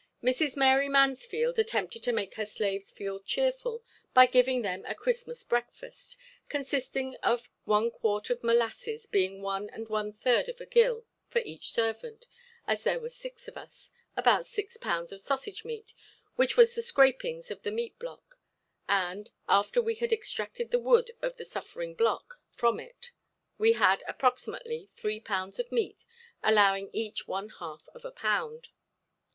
Mrs. Mary Mansfield attempted to make her slaves feel cheerful by giving them a Christmas breakfast, consisting of one quart of molasses, being one and one third of a gill for each servant as there were six of us, about six pounds of sausage meat, which was the scrapings of the meat block, and, after we had extracted the wood of the suffering block from it, we had, approximately, three pounds of meat, allowing each one half of a pound.